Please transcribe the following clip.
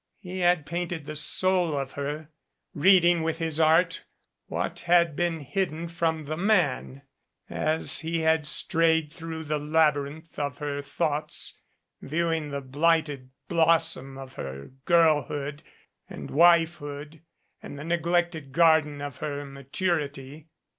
He had painted the soul of her, reading with his art what had been hidden from the man, as he had strayed through the labyrinth of her thoughts viewing the blighted blossom of her girlhood and wifehood and the neglected garden of her maturity.